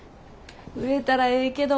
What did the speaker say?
売れたらええけど。